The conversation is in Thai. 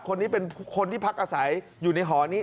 คนนี้เป็นคนที่พักอาศัยอยู่ในหอนี้